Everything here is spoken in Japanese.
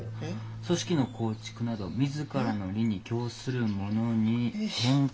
「組織の構築など自らの利に供するものに変換せしこと」。